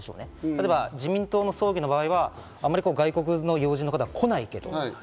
例えば自民党の葬儀の場合は、外国の要人の方が来ないけれど。